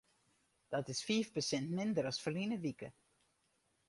Dat is fiif persint minder as ferline wike.